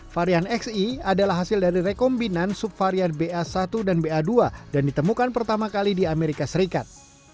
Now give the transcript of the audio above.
varian xe adalah hasil dari rekombinan subvarian ba satu dan ba dua dan ditemukan pertama kali di amerika serikat